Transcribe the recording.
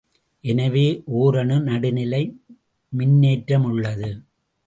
எனவே, ஓரணு நடுநிலை மின்னேற்றமுள்ளது.